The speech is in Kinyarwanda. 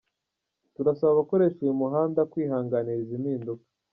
Turasaba abakoresha uyu muhanda kwihanganira izi mpinduka.